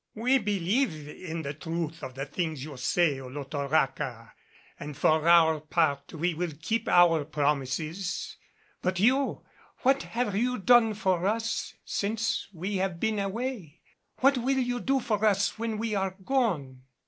"We believe in the truth of the things you say, Olotoraca, and for our part we will keep our promises. But you, what have you done for us since we have been away? What will you do for us when we are gone?"